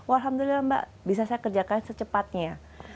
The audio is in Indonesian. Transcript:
alhamdulillah mbak bisa saya kerjakan secepatnya